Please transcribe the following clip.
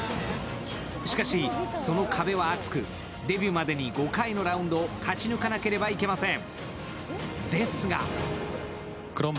しかし、その壁は厚く、デビューまでに５回のラウンドを勝ち抜かなければいけません。